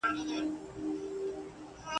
د هغو ورځو خواږه مي لا په خوله دي ..